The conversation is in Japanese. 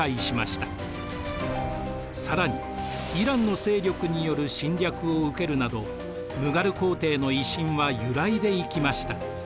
更にイランの勢力による侵略を受けるなどムガル皇帝の威信は揺らいでいきました。